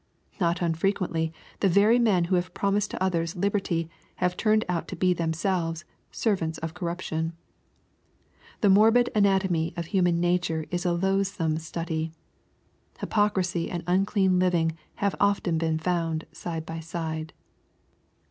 Not unfrequeutly the very men ■e promised to others liberty have turned out to iselves "servants of corruption." The morbid 'ofhumannature is a loathsome study. Hypocrisy lean living have often been f iiind side by side. LUKE, CHAP.